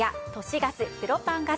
ガスプロパンガス